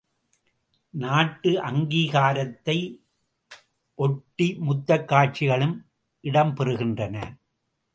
நாட்டு அங்கீகாரத்தை ஒட்டி முத்தக் காட்சிகளும் இடம் பெறுகின்றன.